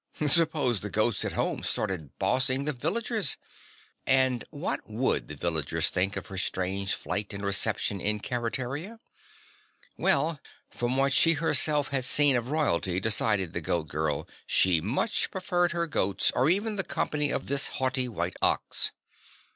Suppose the goats at home started bossing the villagers?" And what would the villagers think of her strange flight and reception in Keretaria? Well, from what she herself had seen of Royalty, decided the Goat Girl, she much preferred her goats or even the company of this haughty white Ox.